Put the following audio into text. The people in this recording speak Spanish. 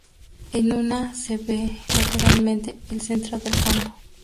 En una se ve lateralmente el centro del campo.